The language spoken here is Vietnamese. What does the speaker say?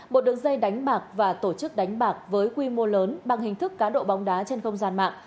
một đường dây đánh bạc và tổ chức đánh bạc với quy mô lớn bằng hình thức cá độ bóng đá trên không gian mạng